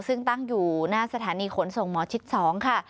ซึ่งตั้งอยู่หน้าสถานีขนส่งหมอชิด๒ค่ะ